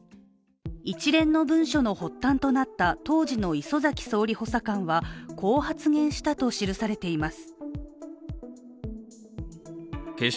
一連の文書の発端となった当時の礒崎総理補佐官はこう発言したと記されています。